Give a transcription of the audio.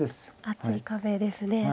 厚い壁ですねはい。